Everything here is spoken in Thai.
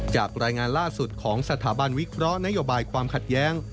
จากรายงานล่าสุดของสถาบันวิเคราะห์นโยบายความขัดแย้ง